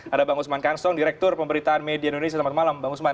ada bang usman kansong direktur pemberitaan media indonesia selamat malam bang usman